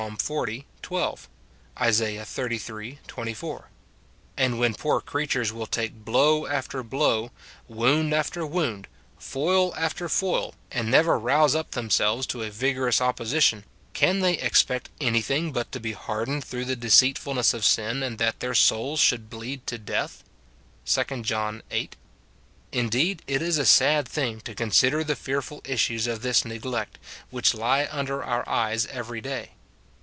xl. 12, Isa. xxxiii. 24 ; and when poor creatures will take blow after blow, wound after wound, foil after foil, and never rouse up themselves to a vigorous opposition, can they expect anything but to be hardened through the deceit fulness of sin, and that their souls should bleed to death ? 2 John 8. Indeed, it is a sad thing to consider the fearful issues of this neglect, which lie under our eyes every day.